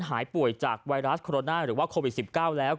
หายป่วยจากไวรัสโคโรนาหรือว่าโควิด๑๙แล้ว